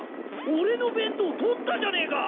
俺の弁当取ったじゃねえか！